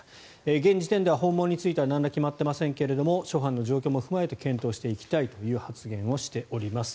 現時点では訪問についてはなんら決まっていませんが諸般の状況も踏まえて検討していきたいという発言をしております。